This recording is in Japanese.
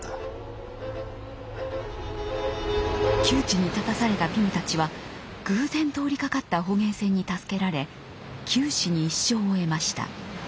窮地に立たされたピムたちは偶然通りかかった捕鯨船に助けられ九死に一生を得ました。